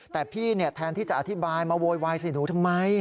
แต่พี่แทนที่จะอธิบายมาโวยวายใส่หนูทำไม